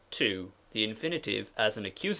The Infin. as an Accus.